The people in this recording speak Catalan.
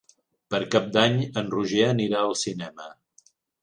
Per Cap d'Any en Roger anirà al cinema.